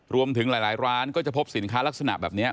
รวมถึงหลายร้านก็จะพบสินค้าลักษณะแบบนี้